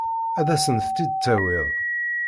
Ad asent-tt-id-tawiḍ?